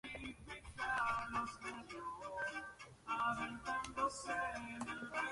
Le sustituyó Rafa Peligros, quien grabaría el siguiente trabajo de estudio.